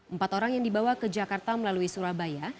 empat orang yang dibawa ke jakarta melalui surabaya